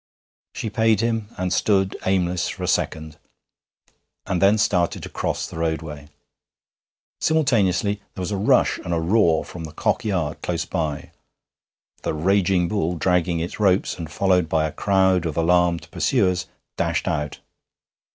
She paid him and stood aimless for a second, and then started to cross the roadway. Simultaneously there was a rush and a roar from the Cock yard close by. The raging bull, dragging its ropes, and followed by a crowd of alarmed pursuers, dashed out.